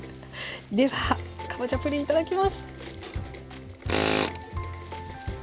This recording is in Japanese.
ではかぼちゃプリンいただきます。